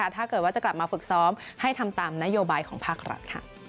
ถ้าเกิดว่าจะกลับมาฝึกซ้อมให้ทำตามนโยบายของภาครัฐ